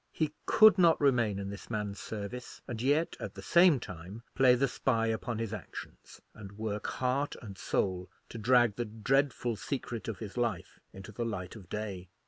He could not remain in this man's service, and yet at the same time play the spy upon his actions, and work heart and soul to drag the dreadful secret of his life into the light of day.